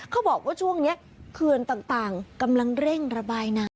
เขาบอกว่าช่วงนี้เขื่อนต่างกำลังเร่งระบายน้ำ